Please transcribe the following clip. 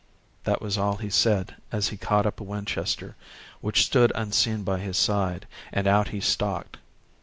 That was all he said as he caught up a Winchester, which stood unseen by his side, and out he stalked.